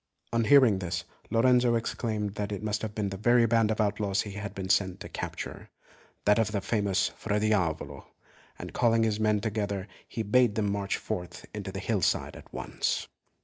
On hearing this, Lorenzo exclaimed that it must have been the very band of outlaws he had been sent to capture that of the famous Fra Diavolo and calling his men together, he bade them march forth to the hillside at once.